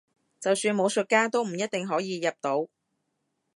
就算武術家都唔一定可以入到